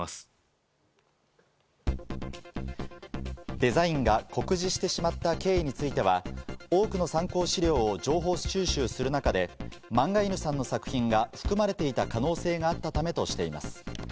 デザインが酷似してしまった経緯については、多くの参考資料を情報収集する中で漫画犬さんの作品が含まれていた可能性があったためとしています。